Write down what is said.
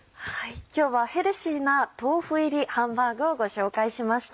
今日はヘルシーな豆腐入りハンバーグをご紹介しました。